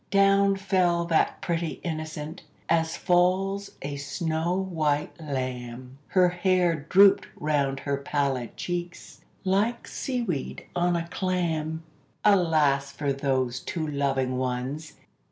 Down fell that pretty innocent, as falls a snow white lamb; Her hair drooped round her pallid cheeks, like sea weed on a clam. Alas for those two loving ones!